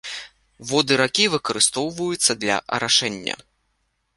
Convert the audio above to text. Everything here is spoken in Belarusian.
Воды ракі выкарыстоўваюцца для арашэння.